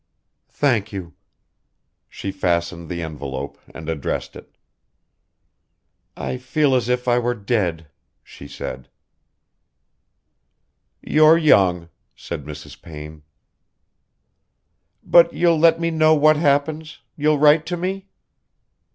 "Thank you." She fastened the envelope and addressed it. "I feel as if I were dead," she said. "You're young," said Mrs. Payne. "But you'll let me know what happens, you'll write to me?"